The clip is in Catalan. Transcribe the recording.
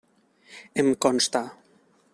Em consta.